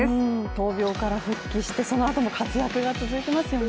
闘病から復帰して、そのあとも活躍が続いていますよね。